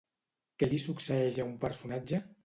Què li succeeix a un personatge?